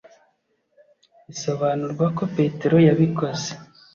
bisobanurwa ko petero yabikoze